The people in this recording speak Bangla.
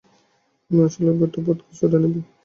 না, আসলে, একটা ভদকা সোডা নেবো!